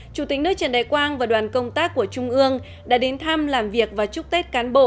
chủ tịch nước trần đại quang và đoàn công tác của trung ương đã đến thăm làm việc và chúc tết cán bộ